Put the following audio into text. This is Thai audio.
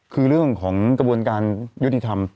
คือเรื่องของกระบวนการยุติธรรม